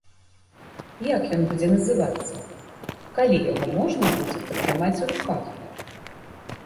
Як ён будзе называцца, калі яго можна будзе патрымаць у руках?